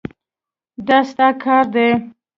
دا ستا کار دی.